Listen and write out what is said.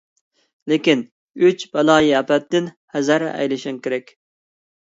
لېكىن، «ئۈچ بالايىئاپەت»تىن ھەزەر ئەيلىشىڭ كېرەك.